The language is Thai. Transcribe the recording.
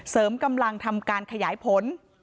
เสริมกำลังทำการขยายผล